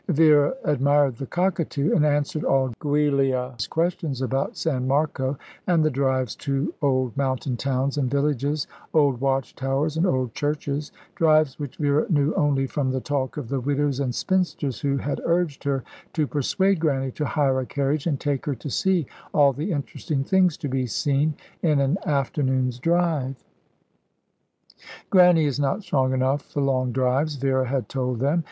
Vera admired the cockatoo, and answered all Giulia's questions about San Marco, and the drives to old mountain towns and villages, old watch towers and old churches drives which Vera knew only from the talk of the widows and spinsters who had urged her to persuade Grannie to hire a carriage and take her to see all the interesting things to be seen in an afternoon's drive. "Grannie is not strong enough for long drives," Vera had told them.